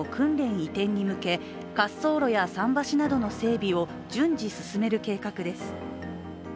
移転に向け滑走路や桟橋などの整備を順次進める計画です。